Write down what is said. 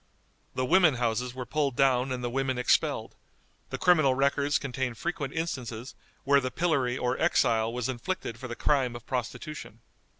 The women houses were pulled down and the women expelled; the criminal records contain frequent instances where the pillory or exile was inflicted for the crime of prostitution.